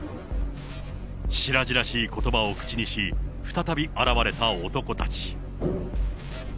しらじらしいことばを口にし、再び現れた男たち。